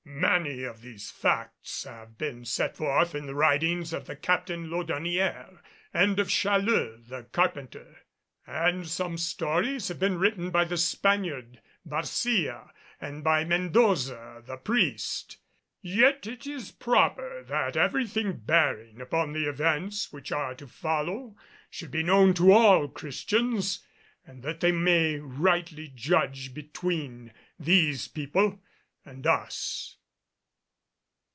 Many of these facts have been set forth in the writings of the Captain Laudonnière, and of Challeux the carpenter; and some stories have been written by the Spaniard Barcia and by Mendoza, the priest. Yet it is proper that everything bearing upon the events which are to follow should be known to all Christians, that they may rightly judge between these people and us.